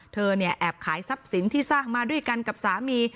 เธอเนี่ยแอบขายทรัพย์สินที่สร้างมาด้วยกันกับสามี